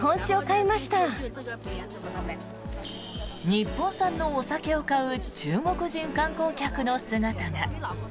日本産のお酒を買う中国人観光客の姿が。